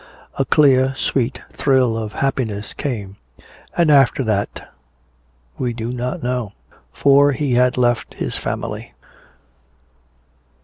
A clear sweet thrill of happiness came. And after that we do not know. For he had left his family.